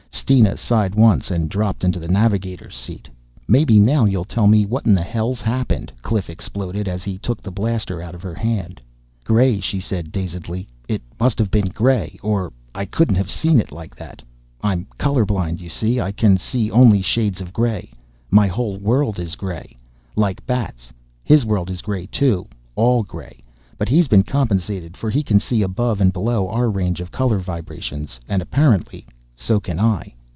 Steena sighed once and dropped into the navigator's seat. "Maybe now you'll tell me what in the hell's happened?" Cliff exploded as he took the blaster out of her hand. "Gray," she said dazedly, "it must have been gray or I couldn't have seen it like that. I'm colorblind, you see. I can see only shades of gray my whole world is gray. Like Bat's his world is gray too all gray. But he's been compensated for he can see above and below our range of color vibrations and apparently so can I!"